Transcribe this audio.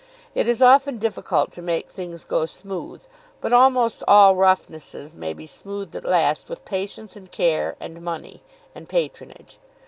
It is often difficult to make things go smooth, but almost all roughnesses may be smoothed at last with patience and care, and money and patronage.